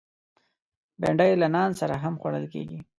بېنډۍ له نان سره هم خوړل کېږي